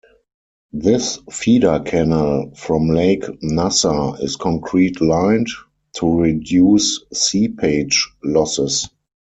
This feeder canal from Lake Nasser is concrete lined, to reduce seepage losses.